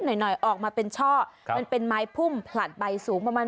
หน่อยหน่อยออกมาเป็นช่อมันเป็นไม้พุ่มผลัดใบสูงประมาณ